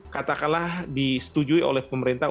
katakanlah disetujui oleh pemerintah